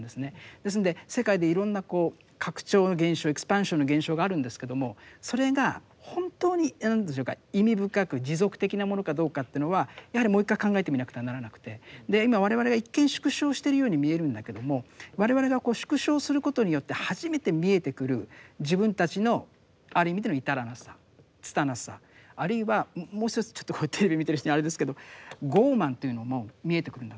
ですので世界でいろんな拡張の現象エクスパンションの現象があるんですけどもそれが本当に何でしょうか意味深く持続的なものかどうかというのはやはりもう一回考えてみなくてはならなくて今我々が一見縮小してるように見えるんだけども我々がこう縮小することによって初めて見えてくる自分たちのある意味での至らなさ拙さあるいはもう一つちょっとこれテレビで見てる人にあれですけど傲慢というのも見えてくるんだと思うんです。